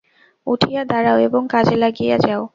উঠিয়া দাঁড়াও, এবং কাজে লাগিয়া যাও।